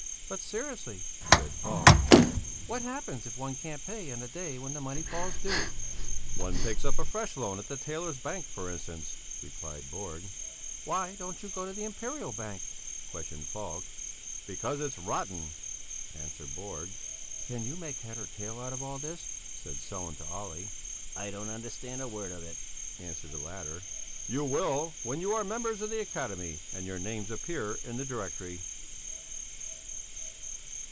"But seriously," said Falk, "what happens if one can't pay on the day when the money falls due?" "One takes up a fresh loan at the Tailors' Bank, for instance," replied Borg. "Why don't you go to the Imperial Bank?" questioned Falk. "Because it's rotten!" answered Borg. "Can you make head or tail out of all this?" said Sellén to Olle. "I don't understand a word of it," answered the latter. "You will, when you are members of the Academy, and your names appear in the Directory."